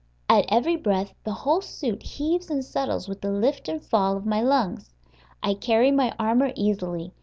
At every breath the whole suit heaves and settles with the lift and fall of my lungs. I carry my armor easily.